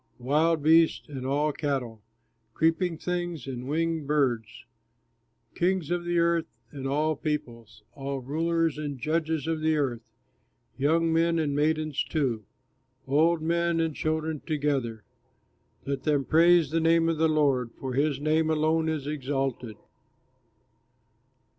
Wild beasts and all cattle, Creeping things and winged birds! Kings of earth and all peoples, All rulers and judges of earth, Young men and maidens too, Old men and children together! Let them praise the name of the Lord, For his name alone is exalted.